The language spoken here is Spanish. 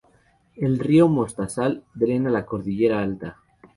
El río Mostazal drena la cordillera alta.